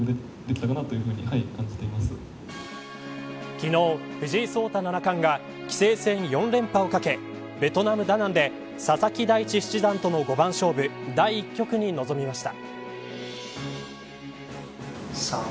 昨日、藤井聡太七冠が棋聖戦４連覇を懸けベトナム、ダナンで佐々木大地七段との五番勝負第１局に臨みました。